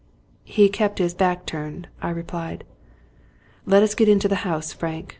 He kept his back turned," I replied. " Let us get into the house, Frank.